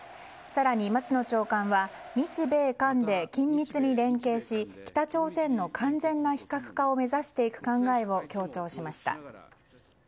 更に松野長官は日米韓で緊密に連携し北朝鮮の完全な非核化を目指していく考えを強調しました。